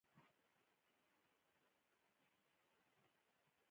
ازادي راډیو د اداري فساد په اړه په ژوره توګه بحثونه کړي.